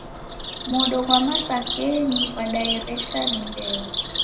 Modo gha masakenyi ghwadaereshwa ni mbeo.